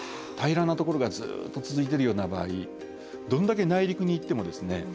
平らなところがずっと続いてるような場合どんだけ内陸に行ってもですね